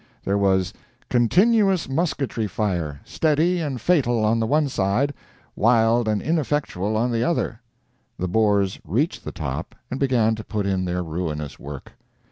There was "continuous musketry fire, steady and fatal on the one side, wild and ineffectual on the other." The Boers reached the top, and began to put in their ruinous work.